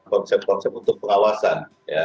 konsep konsep untuk pengawasan